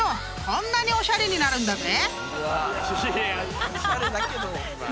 こんなにおしゃれになるんだぜ］